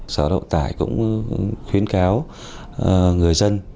sở độ tải cũng khuyến cáo người dân